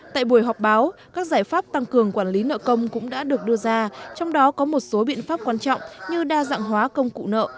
tại buổi họp báo các giải pháp tăng cường quản lý nợ công cũng đã được đưa ra trong đó có một số biện pháp quan trọng như đa dạng hóa công cụ nợ